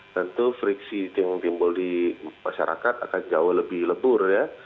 tentu friksi itu yang timbul di masyarakat akan jauh lebih lebur ya